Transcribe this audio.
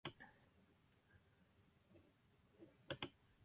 怖そうだけど実はいい人、と思わせるのに失敗してる